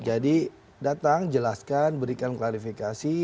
jadi datang jelaskan berikan klarifikasi